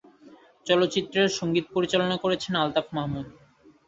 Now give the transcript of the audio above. চলচ্চিত্রের সঙ্গীত পরিচালনা করেছেন আলতাফ মাহমুদ।